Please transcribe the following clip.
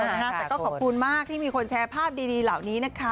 แต่ก็ขอบคุณมากที่มีคนแชร์ภาพดีเหล่านี้นะคะ